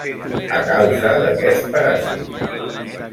A causa d'aquest paràsit.